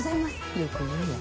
よく言うわ。